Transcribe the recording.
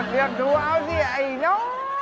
เรียกดูเอาสิไอ้น้อง